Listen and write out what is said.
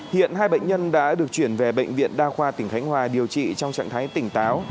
hiện hai bệnh nhân đã được chuyển về bệnh viện đa khoa tỉnh khánh hòa điều trị trong trạng thái tỉnh táo